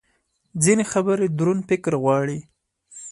ځینې خبرې دروند فکر غواړي.